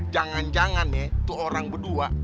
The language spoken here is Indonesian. jangan jangan nih tuh orang berdua